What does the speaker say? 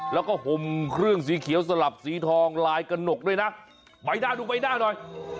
แล้วก็ห่มเครื่องสีเขียวสลับสีทองลายกระหนกด้วยนะใบหน้าดูใบหน้าหน่อย